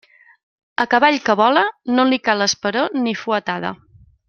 A cavall que vola, no li cal esperó ni fuetada.